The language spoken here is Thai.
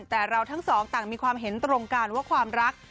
แต่เราทั้งสองต่างมีความเห็นตรงกันว่าความรัก